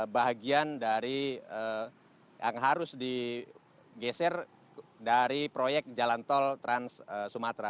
bahagian dari yang harus digeser dari proyek jalan tol trans sumatera